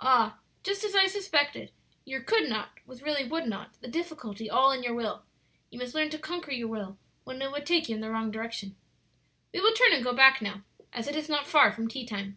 "Ah, just as I suspected; your could not was really would not; the difficulty all in your will. You must learn to conquer your will when it would take you in the wrong direction. "We will turn and go back now, as it is not far from tea time."